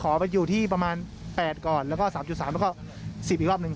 ไปอยู่ที่ประมาณ๘ก่อนแล้วก็๓๓แล้วก็๑๐อีกรอบหนึ่ง